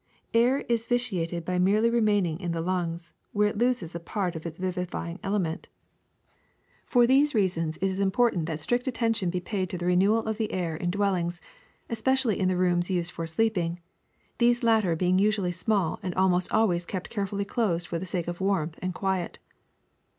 Air is vitiated by merely remaining in the lungs, where it loses a part of its vivifying element. ^^For these various reasons it is important that IMPURE AIR 309 strict attention be paid to the renewal of the air in dwellings, especially in the rooms used for sleeping, these latter being usually small and almost always kept carefully closed for the sake of warmth and quiet.